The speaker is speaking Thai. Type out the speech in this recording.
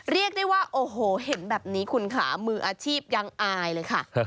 เรียกได้ว่าโอ้โหเห็นแบบนี้คุณค่ะมืออาชีพยังอายเลยค่ะ